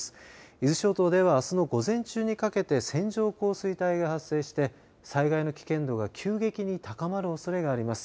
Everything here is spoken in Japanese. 伊豆諸島では、あすの午前中にかけて線状降水帯が発生して災害の危険度が急激に高まるおそれがあります。